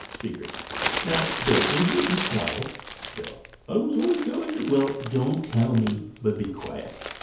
Speaker. "Now, Bill, will you be quiet?" Bill. ' "I was only telling you " Speaker. " Weil, don't tell me, but be quiet."